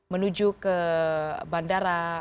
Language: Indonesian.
menuju ke bandara